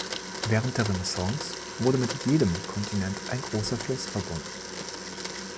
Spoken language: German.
Während der Renaissance wurde mit jedem Kontinent ein großer Fluss verbunden.